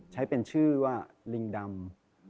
ใช้เป็นชื่อว่าลิงดำ